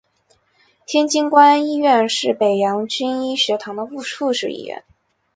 天津官医院是北洋军医学堂的附属医院。